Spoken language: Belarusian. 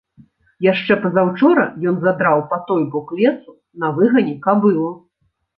Яшчэ пазаўчора ён задраў па той бок лесу на выгане кабылу.